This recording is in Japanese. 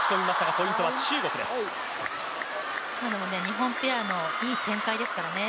今のも日本ペアのいい展開ですからね